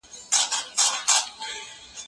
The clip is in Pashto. د ښوونځیو د سوراګانو غړو مسلکي روزنه نه وه لیدلې.